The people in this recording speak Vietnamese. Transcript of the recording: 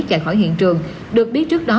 chạy khỏi hiện trường được biết trước đó